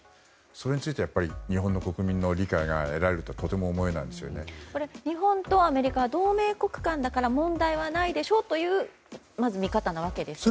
それについては日本の国民の理解が得られるとは日本とアメリカ同盟国間だから問題ないでしょという見方なわけですよね。